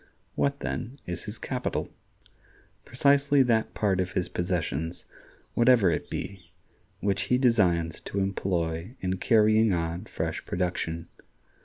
What, then, is his capital? Precisely that part of his possessions, whatever it be, which he designs to employ in carrying on fresh production.